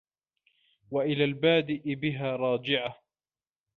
وَإِلَى الْبَادِئِ بِهَا رَاجِعَةٌ